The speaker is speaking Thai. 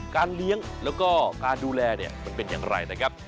เลี้ยงแล้วก็การดูแลเนี่ยมันเป็นอย่างไรนะครับ